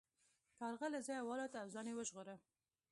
کارغه له ځایه والوت او ځان یې وژغوره.